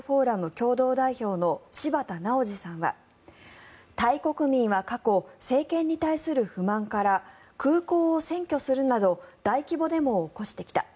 共同代表の柴田直治さんはタイ国民は過去、政権に対する不満から空港を占拠するなど大規模デモを起こしてきた。